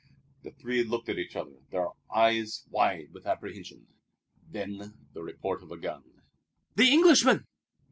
The three looked at each other, their eyes wide with apprehension. Then the report of a gun. "The Englishman!"